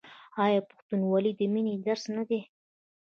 آیا پښتونولي د مینې درس نه دی؟